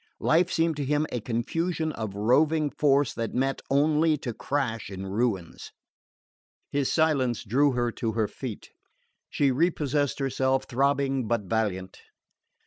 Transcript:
Life seemed to him a confusion of roving force that met only to crash in ruins. His silence drew her to her feet. She repossessed herself, throbbing but valiant.